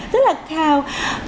rất là cao